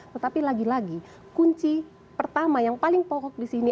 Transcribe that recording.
tetapi lagi lagi kunci pertama yang paling pokok di sini